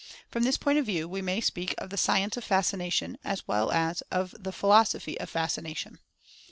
From this point of view, we may speak of the " Science of Fascination," as well as of "The Philosophy of Fascination."